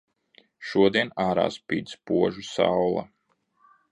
Šodien ārā spīd spoža saule.